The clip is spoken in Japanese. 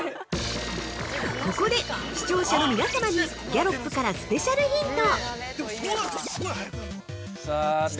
ここで、視聴者の皆様にギャロップからスペシャルヒント。